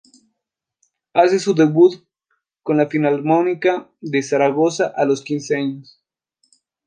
Hace su debut con la Filarmónica de Zaragoza a los quince años.